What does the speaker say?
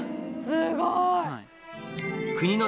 すごい。